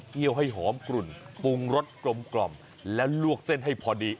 ให้หอมกลุ่นปรุงรสกลมแล้วลวกเส้นให้พอดี